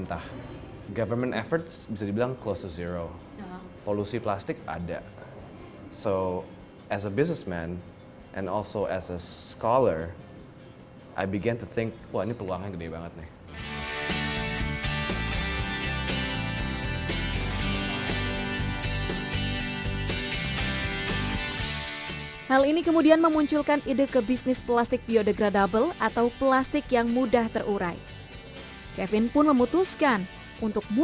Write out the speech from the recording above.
semakin memantapkan idenya ia pun mempelajari plastik plastik ramah lingkungan yang diproduksi